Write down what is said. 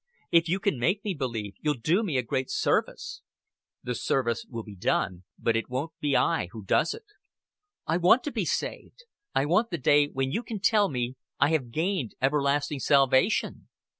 If you can make me believe, you'll do me a great service." "The service will be done, but it won't be I who does it." "I want to be saved. I want the day when you can tell me I have gained everlasting salvation."